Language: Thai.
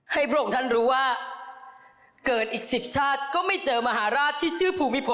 พระองค์ท่านรู้ว่าเกิดอีก๑๐ชาติก็ไม่เจอมหาราชที่ชื่อภูมิพล